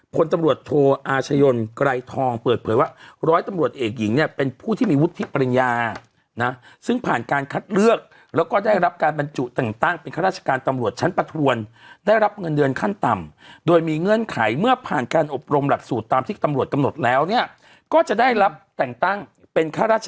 คนตำรวจโทอาชญนไกรทองเปิดเผยว่าร้อยตำรวจเอกหญิงเนี่ยเป็นผู้ที่มีวุฒิปริญญานะซึ่งผ่านการคัดเลือกแล้วก็ได้รับการบรรจุแต่งตั้งเป็นข้าราชการตำรวจชั้นประทวนได้รับเงินเดือนขั้นต่ำโดยมีเงื่อนไขเมื่อผ่านการอบรมหลักสูตรตามที่ตำรวจกำหนดแล้วเนี่ยก็จะได้รับแต่งตั้งเป็นข้าราช